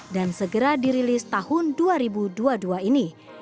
dan segera dirilis tahun dua ribu dua puluh dua ini